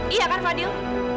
iya kan fadil